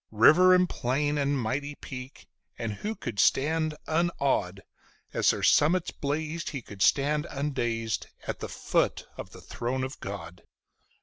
River and plain and mighty peak and who could stand unawed? As their summits blazed, he could stand undazed at the foot of the throne of God.